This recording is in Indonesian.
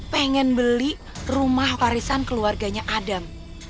pengen beli rumah warisan keluarganya adam